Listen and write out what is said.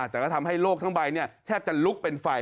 แต่ก็ทำให้โลกทั้งใบแทบจะลุกเป็นไฟ